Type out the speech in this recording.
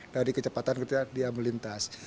dari kecepatan ketika dia melintas